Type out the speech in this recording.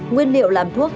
nguyên liệu làm thuốc